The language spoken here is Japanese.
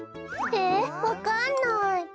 えわかんない。